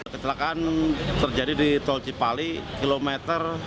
kecelakaan terjadi di tol cipali kilometer delapan puluh tiga enam ratus